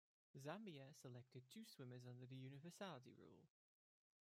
Zambia selected two swimmers under the Universality rule.